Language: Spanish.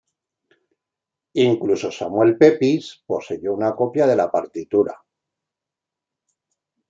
Incluso Samuel Pepys poseyó una copia de la partitura.